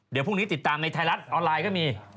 เดี๋ยวพรุ่งนี้ติดตามในไทยรัฐออนไลน์ก็มี